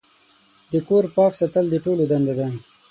د کور پاک ساتل د ټولو دنده ده.